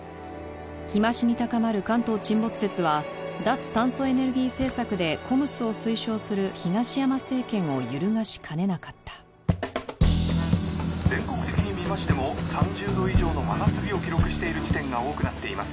日増しに高まる関東沈没説は脱炭素エネルギー政策でＣＯＭＳを推奨する東山政権を揺るがしかねなかった全国的に見ましても３０度以上の真夏日を記録している地点が多くなっています